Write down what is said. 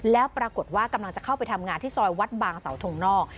แล้วปรากฏว่ากำลังจะเข้าไปทำงานที่ซอยวัดบางเสาทงนอก